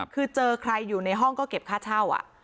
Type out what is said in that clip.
คือเจอใครอยู่ในห้องก็เก็บค่าเช่า